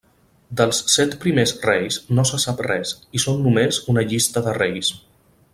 Dels set primers reis no se sap res i són només una llista de reis.